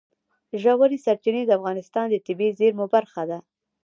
ژورې سرچینې د افغانستان د طبیعي زیرمو برخه ده.